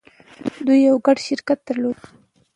دوی يو ګډ شرکت درلود.